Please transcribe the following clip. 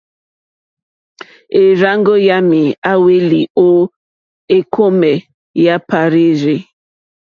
E rzàŋgo yami a hweli o ekome ya Parirzi.